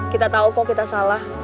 kita tahu kok kita salah